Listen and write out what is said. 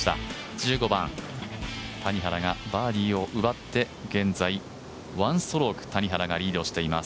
１５番、谷原がバーディーを奪って現在１ストローク谷原がリードしています。